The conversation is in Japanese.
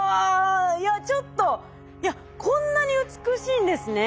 いやこんなに美しいんですね